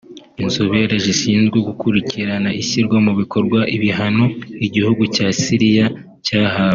Inzobere zishinzwe gukurikirana ishyirwa mu bikorwa ibihano igihugu cya Syria cyahawe